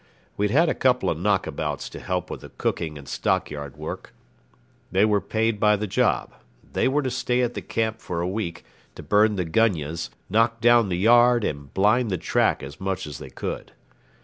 We'd had a couple of knockabouts to help with the cooking and stockyard work. They were paid by the job. They were to stay at the camp for a week, to burn the gunyahs, knock down the yard, and blind the track as much as they could.